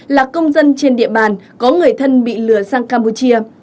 là công dân trên địa bàn có người thân bị lừa sang campuchia